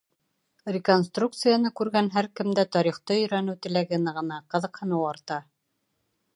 Реконструкцияны күргән һәр кемдә тарихты өйрәнеү теләге нығына, ҡыҙыҡһыныу арта.